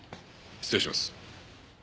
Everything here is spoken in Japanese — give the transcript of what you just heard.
失礼します。